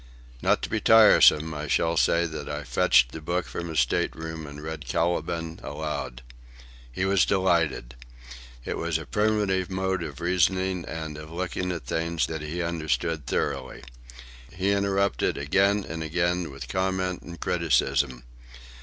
Not to be tiresome, I shall say that I fetched the book from his state room and read "Caliban" aloud. He was delighted. It was a primitive mode of reasoning and of looking at things that he understood thoroughly. He interrupted again and again with comment and criticism.